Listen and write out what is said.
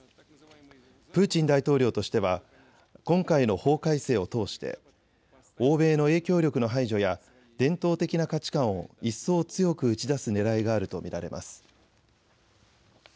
プーチン大統領としては今回の法改正を通して欧米の影響力の排除や伝統的な価値観を一層強く打ち出すねらいがあると見られます。